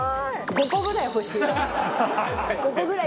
５個ぐらい欲しい。